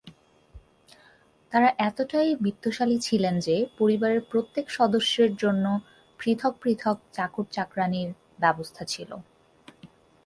তারা এতোটাই বিত্তশালী ছিলেন যে, পরিবারের প্রত্যেক সদস্যের জন্য পৃথক পৃথক চাকর-চাকরানির ব্যবস্থা ছিল।